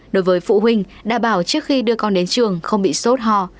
đối với phụ huynh đảm bảo trước khi đưa con đến trường không bị sốt hò